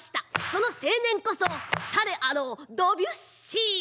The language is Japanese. その青年こそ誰あろうドビュッシー。